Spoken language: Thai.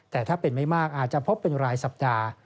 แต่ถ้าเป็นไม่มากอาจจะพบเป็นรายสัปดาห์